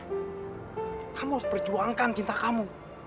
kamu harus perjuangkan cinta kamu